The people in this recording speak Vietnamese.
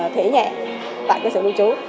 thể nhẹ tại cơ sở lưu trú